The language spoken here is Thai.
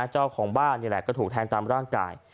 เจ้าของบ้านนี่แหละก็ถูกแทงตามร่างกาย